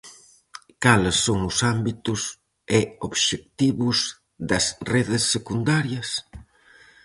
Cales son os ámbitos e obxectivos das redes secundarias?